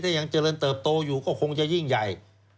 ถ้ายังเจริญเติบโตอยู่ก็คงจะยิ่งใหญ่